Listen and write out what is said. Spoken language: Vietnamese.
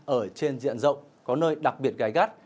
ở trên diện rộng có nơi đặc biệt gai gắt